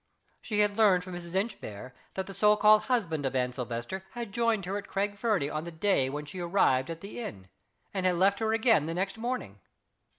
She had learned from Mrs. Inchbare that the so called husband of Anne Silvester had joined her at Craig Fernie on the day when she arrived at the inn, and had left her again the next morning.